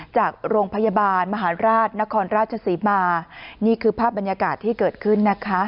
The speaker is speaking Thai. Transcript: จากโรงพยาบาลมหาราชนครราชศรีมานี่คือภาพบรรยากาศที่เกิดขึ้นนะคะ